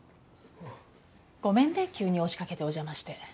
ごめんね急に押し掛けてお邪魔して。